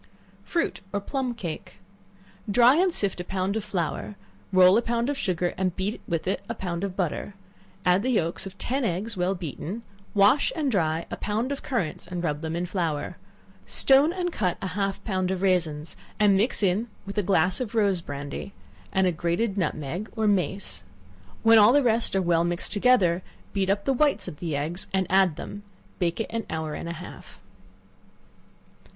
Fruit or Plum Cake. Dry and sift a pound of flour, roll a pound of sugar, and beat it with a pound of butter, and the yelks of ten eggs well beaten; wash and dry a pound of currants and rub them in flour; stone and cut half a pound of raisins, and mix in with a glass of rose brandy, and a grated nutmeg, or mace; when all the rest are well mixed together, beat up the whites of the eggs, and add them; bake it an hour and a half.